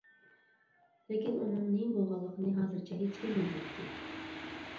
لېكىن ئۇنىڭ نېمە بولغانلىقىنى ھازىرچە ھېچكىم بىلمەيتتى.